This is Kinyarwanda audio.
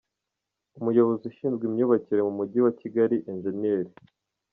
Umuyobozi ushinzwe imyubakire mu Mujyi wa Kigali, Eng.